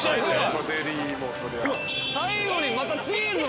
最後にまたチーズを。